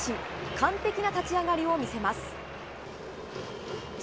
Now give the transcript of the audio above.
完璧な立ち上がりを見せます。